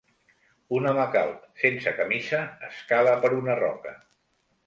Un home calb, sense camisa, escala per una roca.